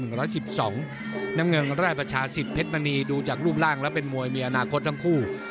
น้ำเงินไร่ประชาสิตเพชรมณีดูจากรูปร่างแล้วเป็นมวยมีอนาคตทั้งคู่